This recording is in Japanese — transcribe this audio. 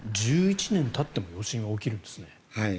１１年たっても余震が起きるんですね。